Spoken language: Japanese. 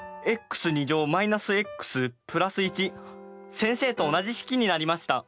先生と同じ式になりました。